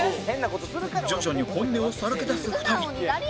徐々に本音をさらけ出す２人